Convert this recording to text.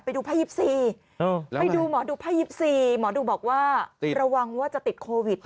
ไปดูไพ่๒๔ไปดูหมอดูไพ่๒๔หมอดูบอกว่าระวังว่าจะติดโควิด